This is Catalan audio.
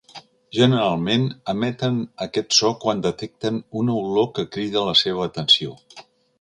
Generalment, emeten aquest so quan detecten una olor que crida la seva atenció.